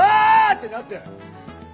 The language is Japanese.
ってなって。